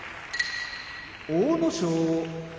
阿武咲